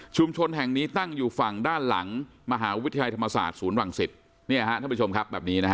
แห่งนี้ตั้งอยู่ฝั่งด้านหลังมหาวิทยาลัยธรรมศาสตร์ศูนย์วังสิตเนี่ยฮะท่านผู้ชมครับแบบนี้นะฮะ